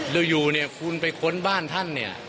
อยู่เนี่ยคุณไปค้นบ้านท่านเนี่ย